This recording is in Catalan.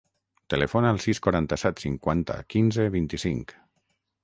Telefona al sis, quaranta-set, cinquanta, quinze, vint-i-cinc.